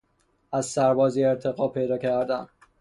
از سربازی ارتقا پیدا کردن